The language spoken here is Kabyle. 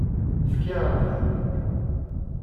Fkiɣ-am-ten.